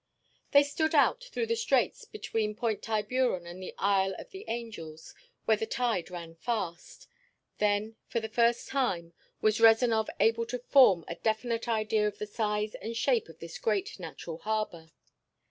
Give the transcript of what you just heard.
They stood out through the straits between Point Tiburon and the Isle of the Angels, where the tide ran fast. Then, for the first time, was Rezanov able to form a definite idea of the size and shape of this great natural harbor.